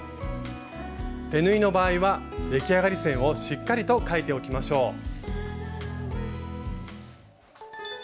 手縫いの場合は出来上がり線をしっかりと書いておきましょう。